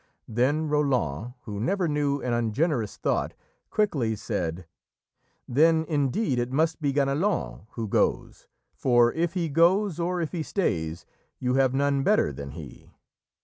Then Roland, who never knew an ungenerous thought, quickly said: "Then, indeed, it must be Ganelon who goes, for if he goes, or if he stays, you have none better than he."